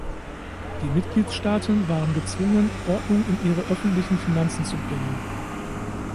Die Mitgliedstaaten waren gezwungen, Ordnung in ihre öffentlichen Finanzen zu bringen.